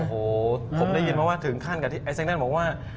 โอ้โฮผมได้ยินว่าถึงขั้นกับที่ไอซักนิวตันบอกว่า